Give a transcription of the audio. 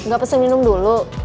gak pesen minum dulu